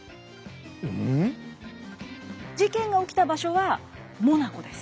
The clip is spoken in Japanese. ん？事件が起きた場所はモナコです。